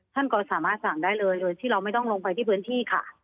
ท่านก็สามารถสั่งได้เลยโดยที่เราไม่ต้องลงไปที่พื้นที่ค่ะ